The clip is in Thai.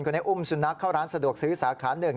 คนให้อุ้มสุนัขเข้าร้านสะดวกซื้อสาขาหนึ่ง